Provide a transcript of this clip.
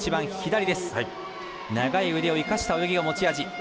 長い腕を生かした泳ぎが持ち味。